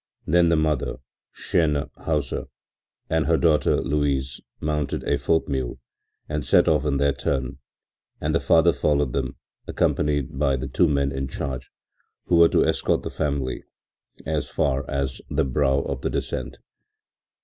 Then the mother, Jeanne Hauser, and her daughter Louise mounted a fourth mule and set off in their turn and the father followed them, accompanied by the two men in charge, who were to escort the family as far as the brow of the descent.